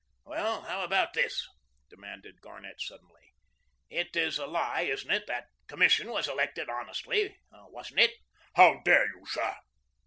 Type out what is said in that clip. "Well, how about this?" demanded Garnett suddenly. "It is a lie, isn't it? That Commission was elected honestly, wasn't it?" "How dare you, sir!"